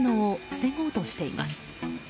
防ごうとしています。